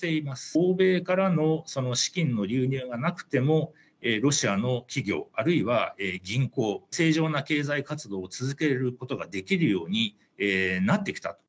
欧米からの資金の流入がなくても、ロシアの企業、あるいは銀行、正常な経済活動を続けることができるようになってきたと。